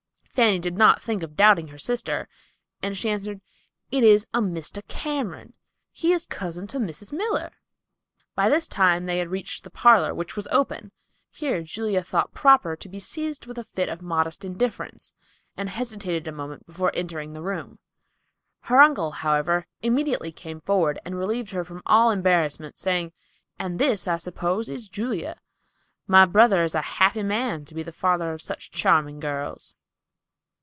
Fanny did not think of doubting her sister, and she answered, "It is a Mr. Cameron. He is cousin to Mrs. Miller." By this time they had reached the parlor, which was open. Here Julia thought proper to be seized with a fit of modest indifference, and hesitated a moment before entering the room. Her uncle, however, immediately came forward, and relieved her from all embarrassment by saying, "And this, I suppose, is Julia. My brother is a happy man to be father of such charming girls."